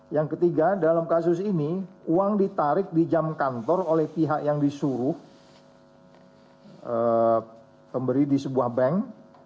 yang ketiga dalam kasus ini uang ditarik di jam kantor oleh pihak yang disuruh pemberi di sebuah bank